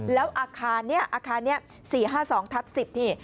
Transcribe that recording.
แล้วอาคารเนี่ยอาคารเนี่ยสี่ห้าสองทับสิบนี่